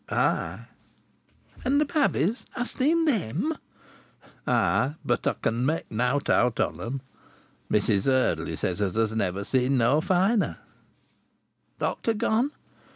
"Ay!" "And th' babbies hast seen them?" "Ay! But I can make nowt out of 'em. Mrs Eardley says as her's never seen no finer." "Doctor gone?"